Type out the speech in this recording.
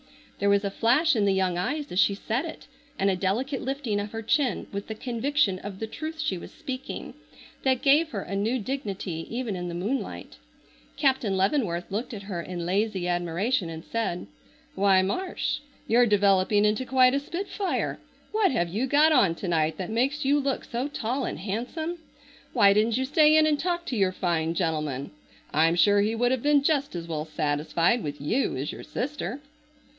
There was a flash in the young eyes as she said it, and a delicate lifting of her chin with the conviction of the truth she was speaking, that gave her a new dignity even in the moonlight. Captain Leavenworth looked at her in lazy admiration and said: "Why, Marsh, you're developing into quite a spitfire. What have you got on to night that makes you look so tall and handsome? Why didn't you stay in and talk to your fine gentleman? I'm sure he would have been just as well satisfied with you as your sister."